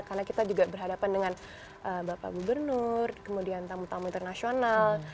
karena kita juga berhadapan dengan bapak gubernur kemudian tamu tamu internasional